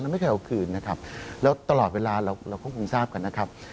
ไม่เคยเอาคืนนะครับแล้วตลอดเวลาเราก็คงทราบกันนะครับ